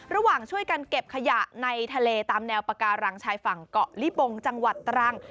ระหว่างช่วยกันเก็บขยะในทะเลตามแนวปาการังชายฝั่งเกาะลิบงจังหวัดตรัง